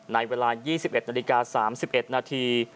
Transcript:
ในเวลายี่สิบเอ็ดนาฬิกาสามสิบเอ็ดนาที